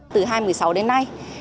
từ hai nghìn một mươi sáu đến nay